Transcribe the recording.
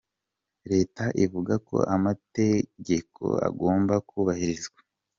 Leta ivuga ko amategeko agomba kubahirizwa.